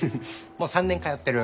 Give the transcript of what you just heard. もう３年通ってる。